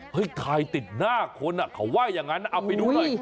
ถ่ายติดหน้าคนเขาว่าอย่างนั้นเอาไปดูหน่อย